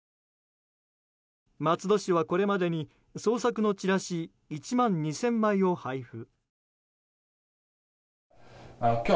松戸市はこれまでに捜索のチラシ１万２０００枚を配布。